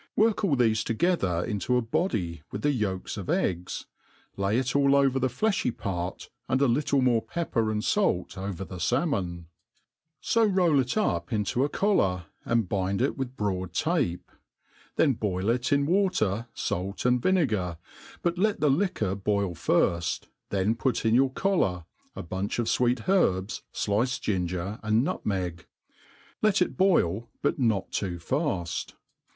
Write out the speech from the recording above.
Work aH thefe together into a body, with the yolks of e^gs, h^ It all oyer the flefliy part, and a Ijttle more pepper and fait' over the falmon ; (o roll it up into a collar, and bind it with broad tape ; then boil it in water, fait, and vinegar, biit let the liquor boil firft, then put In your collar, a bunch of fweet herbs, fliced ginger add nutmeg. Let it boil, but not too faft.